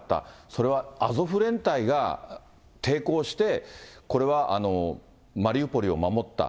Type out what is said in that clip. それはアゾフ連隊が抵抗して、これはマリウポリを守った。